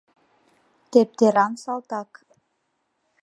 Тептеран салтак.